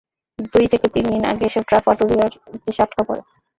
দুই থেকে তিন দিন আগে এসব ট্রাক পাটুরিয়ায় এসে আটকা পড়ে।